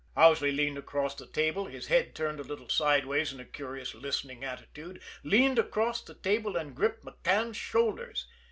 Owsley leaned across the table, his head turned a little sideways in a curious listening attitude leaned across the table and gripped McCann's shoulders.